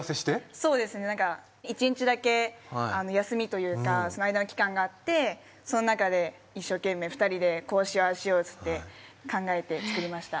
そうですね１日だけ休みというかその間の期間があってその中で一生懸命２人でこうしようああしようって言って考えて作りました